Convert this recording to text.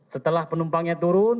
setelah penumpangnya turun